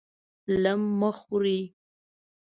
لم مه خورئ!